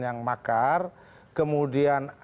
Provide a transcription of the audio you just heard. yang makar kemudian